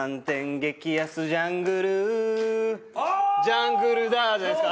「げきやすジャングル」「ジャングルだ！」じゃないですか？